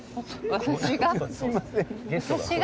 私が？